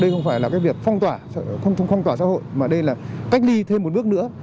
đây không phải là cái việc phong tỏa xã hội mà đây là cách ly thêm một bước nữa